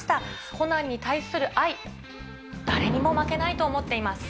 コナンに対する愛、誰にも負けないと思ってます。